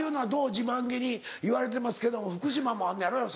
自慢げに言われてますけども福島もあんのやろ？